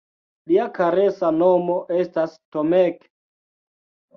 Lia karesa nomo estas Tomek!